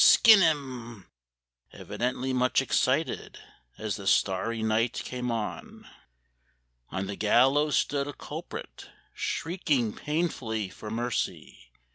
skin him!" Evidently much excited As the starry night came on. On the gallows stood a culprit Shrieking painfully for mercy.